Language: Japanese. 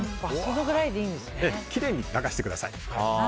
きれいに流してください。